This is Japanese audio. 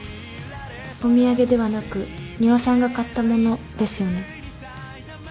お土産ではなく仁和さんが買った物ですよね？